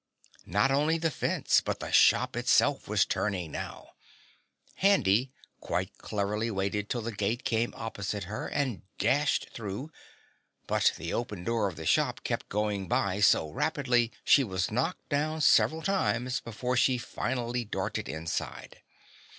Not only the fence but the shop itself was turning now. Handy quite cleverly waited till the gate came opposite her and dashed through, but the open door of the shop kept going by so rapidly she was knocked down several times before she finally darted inside.